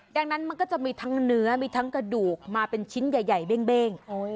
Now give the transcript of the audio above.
ดังนั้นมันก็จะมีทั้งเนื้อมีทั้งกระดูกมาเป็นชิ้นใหญ่เบ้ง